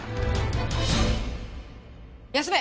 休め。